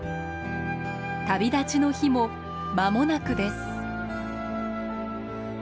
旅立ちの日もまもなくです。